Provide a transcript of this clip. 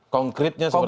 konkretnya seperti apa